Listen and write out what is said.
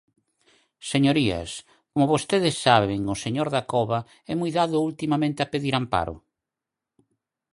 Señorías, como vostedes saben, o señor Dacova é moi dado ultimamente a pedir amparo.